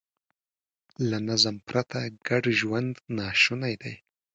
له نظم پرته ګډ ژوند ناشونی دی.